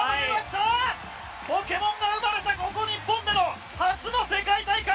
「ポケモン」が生まれたここ日本での初の世界大会